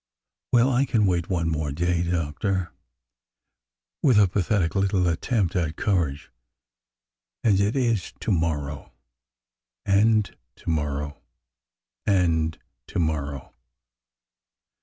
Well, I can wait one more day, Doctor, with a pathetic little attempt at courage. And it is to morrow and to morrow and to morrow